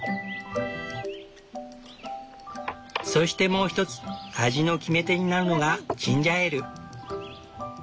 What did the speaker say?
そしてもうひとつ味の決め手になるのがジンジャーエール。